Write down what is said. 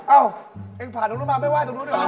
เอ้าเองผ่านตรงนู้นมาไปไห้ตรงนู้นดีกว่า